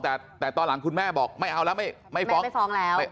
แต่ตอนหลังคุณแม่บอกไม่เอาแล้วไม่ฟ้องไม่ฟ้องแล้ว